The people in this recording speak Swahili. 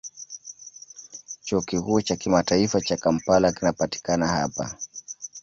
Chuo Kikuu cha Kimataifa cha Kampala kinapatikana hapa.